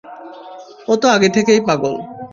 ও তো আগে থেকেই পাগল।